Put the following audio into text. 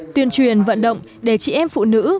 tuyên truyền vận động để chị em phụ nữ